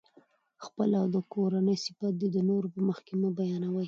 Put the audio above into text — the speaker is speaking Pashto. خپل او د کورنۍ صفت دي د نورو په مخکي مه بیانوئ!